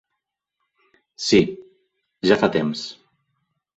Sí, ja fa temps.